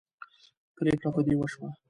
پرېکړه په دې وشوه.